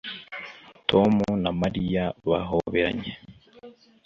tom na mariya bahoberanye